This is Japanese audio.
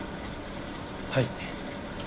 はい。